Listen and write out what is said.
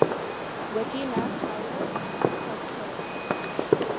W'eka na choro cheketi.